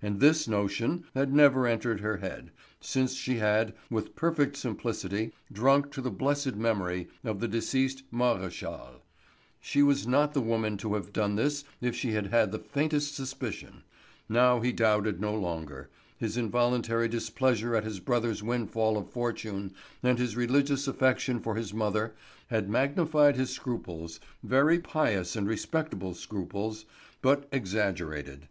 And this notion had never entered her head, since she had, with perfect simplicity, drunk to the blessed memory of the deceased Maréchal. She was not the woman to have done this if she had had the faintest suspicion. Now he doubted no longer; his involuntary displeasure at his brother's windfall of fortune and his religious affection for his mother had magnified his scruples—very pious and respectable scruples, but exaggerated.